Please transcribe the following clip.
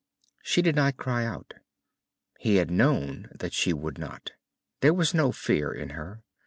She did not cry out. He had known that she would not. There was no fear in her.